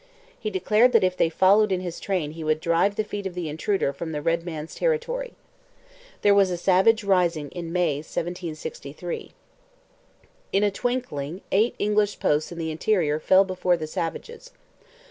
He declared that if they followed in his train he would drive the feet of the intruder from the red man's territory. There was a savage rising in May 1763. In a twinkling eight English posts in the interior fell before the savages.